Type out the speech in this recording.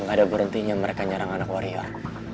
nggak ada berhentinya mereka nyarang anak warrior